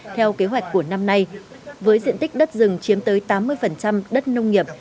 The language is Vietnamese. theo kế hoạch của năm nay với diện tích đất rừng chiếm tới tám mươi đất nông nghiệp